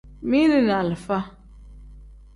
Mili ni alifa.